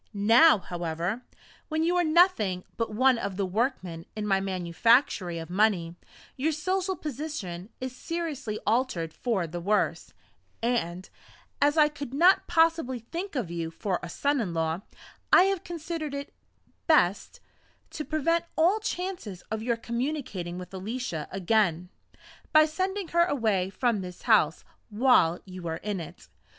Now, however, when you are nothing but one of the workmen in my manufactory of money, your social position is seriously altered for the worse; and, as I could not possibly think of you for a son in law, I have considered it best to prevent all chance of your communicating with Alicia again, by sending her away from this house while you are in it.